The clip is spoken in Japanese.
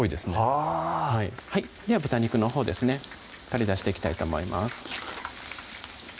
はぁでは豚肉のほうですね取り出していきたいと思います